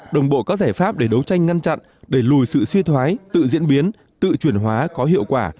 đồng bộ có giải pháp để đấu tranh ngăn chặn để lùi sự suy thoái tự diễn biến tự truyền hóa có hiệu quả